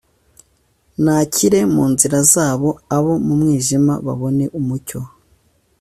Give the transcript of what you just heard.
Nakire mu nzira zabo abo mu mwijima babone umucyo